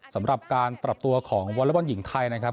สำหรับการปรับตัวของวอเล็กบอลหญิงไทยนะครับ